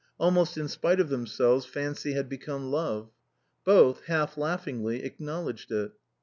Almost in spite of themselves fancy had become love. Both, half laughingly, acknowledged it.